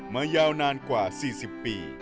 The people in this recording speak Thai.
มายาวนานกว่าสี่สิบปี